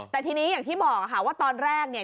แต่ทีนี้อย่างที่บอกค่ะว่าตอนแรกเนี่ย